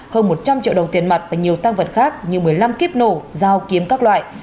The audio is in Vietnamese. hơn một trăm linh triệu đồng tiền mặt và nhiều tăng vật khác như một mươi năm kiếp nổ dao kiếm các loại